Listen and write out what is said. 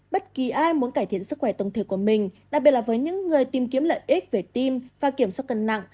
bất kỳ ai muốn cải thiện sức khỏe tổng thể của mình đặc biệt là với những người tìm kiếm lợi ích về tim và kiểm soát cân nặng